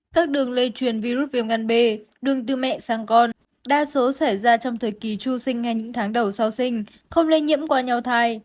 các đường lây truyền virus viêm ngăn bê đường từ mẹ sang con đa số xảy ra trong thời kỳ tru sinh hay những tháng đầu sau sinh không lây nhiễm qua nhau thai